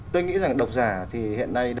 tôi nghĩ rằng độc giả thì hiện nay